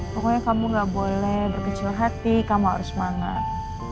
pokoknya kamu gak boleh berkecil hati kamu harus semangat